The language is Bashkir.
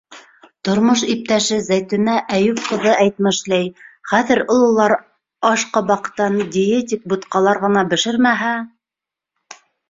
Тормош иптәше Зәйтүнә Әйүп ҡыҙы әйтмешләй, хәҙер ололар ашҡабаҡтан диетик бутҡалар ғына бешермәһә?..